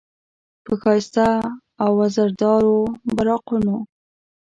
په ښایسته او وزردارو براقونو،